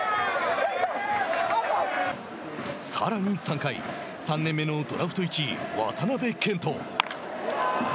さらに３回３年目のドラフト１位、渡部健人。